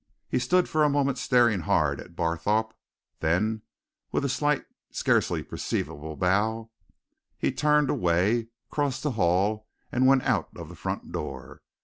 He stood for a moment staring hard at Barthorpe; then, with a slight, scarcely perceivable bow, he turned away, crossed the hall, and went out of the front door.